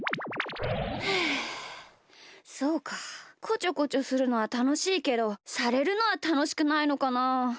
こちょこちょするのはたのしいけどされるのはたのしくないのかな。